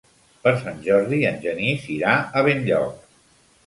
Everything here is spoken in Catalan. Per Sant Jordi en Genís irà a Benlloc.